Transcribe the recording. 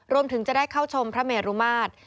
รวมถึงจะได้เข้าชมพระเมรุมาตร